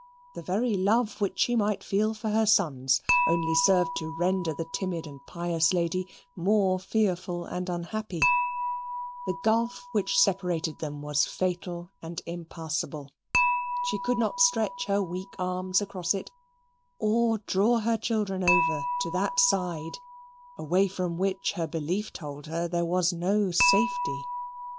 The very love which she might feel for her sons only served to render the timid and pious lady more fearful and unhappy. The gulf which separated them was fatal and impassable. She could not stretch her weak arms across it, or draw her children over to that side away from which her belief told her there was no safety.